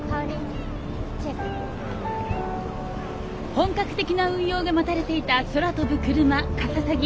本格的な運用が待たれていた空飛ぶクルマかささぎ。